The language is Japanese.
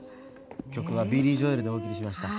曲はビリー・ジョエルでお送りしました。